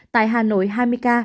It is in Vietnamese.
tại hà nội hai mươi ca